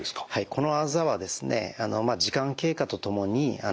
このあざはですね時間経過とともに消えていきます。